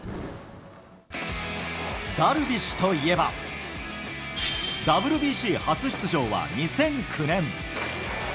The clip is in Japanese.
ダルビッシュといえば、ＷＢＣ初出場は２００９年。